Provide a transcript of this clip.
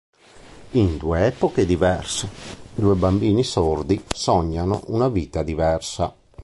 In due epoche diverse, due bambini sordi sognano una vita diversa.